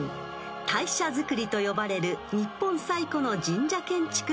［大社造と呼ばれる日本最古の神社建築で有名］